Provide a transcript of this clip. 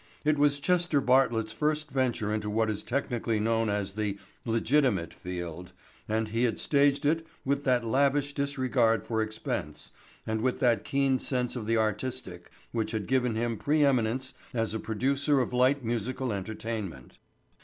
It was Chester Bartlett's first venture into what is technically known as the "legitimate field" and he had staged it with that lavish disregard for expense and with that keen sense of the artistic which had given him pre eminence as a producer of light musical entertainment.